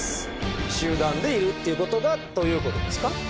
集団でいるっていうことがということですか？